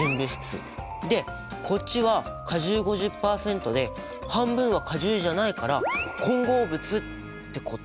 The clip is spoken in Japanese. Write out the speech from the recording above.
でこっちは果汁５０％で半分は果汁じゃないから混合物ってこと？